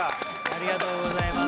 ありがとうございます。